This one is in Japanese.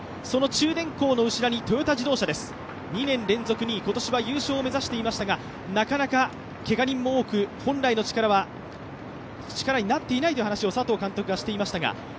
その中電工の後ろにトヨタ自動車です、２年連続２位、今年は優勝を目指していましたが、なかなかけが人が多く、本来の力になっていないという話を佐藤監督がしていました。